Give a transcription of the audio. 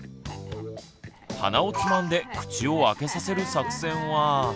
鼻をつまんで口を開けさせる作戦は。